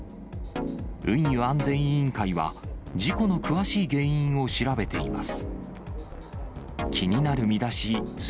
運輸安全委員会は、事故の詳しい原因を調べています。